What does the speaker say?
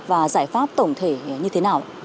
và giải pháp tổng thể như thế nào